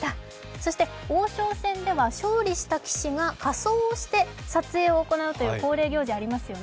そして王将戦では勝利した棋士が仮装をして撮影を行うという恒例行事ありますよね。